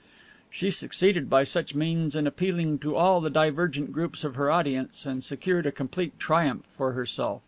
She succeeded by such means in appealing to all the divergent groups of her audience and secured a complete triumph for herself.